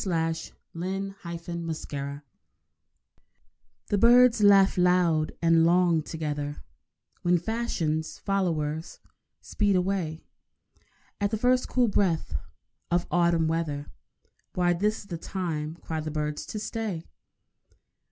THE END OF THE SUMMER The birds laugh loud and long together When Fashion's followers speed away At the first cool breath of autumn weather. Why, this is the time, cry the birds, to stay!